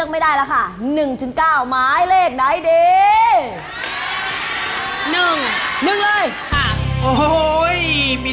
เอามาทำไม